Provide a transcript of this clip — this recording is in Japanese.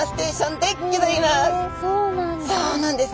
そうなんだ。